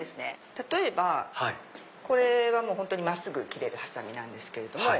例えばこれが真っすぐ切れるハサミなんですけれども。